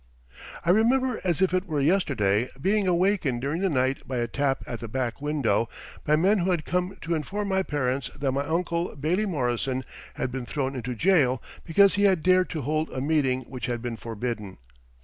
I remember as if it were yesterday being awakened during the night by a tap at the back window by men who had come to inform my parents that my uncle, Bailie Morrison, had been thrown into jail because he had dared to hold a meeting which had been forbidden.